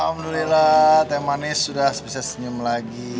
alhamdulillah teh manis sudah bisa senyum lagi